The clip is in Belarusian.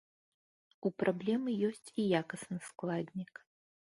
У праблемы ёсць і якасны складнік.